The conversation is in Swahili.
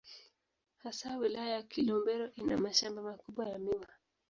Hasa Wilaya ya Kilombero ina mashamba makubwa ya miwa.